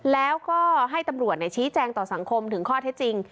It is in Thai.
แล้วก็ให้ตำรวจชี้แจงต่อสังคมถึงข้อเท็จจริง